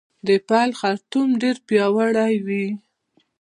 د پیل خرطوم ډیر پیاوړی وي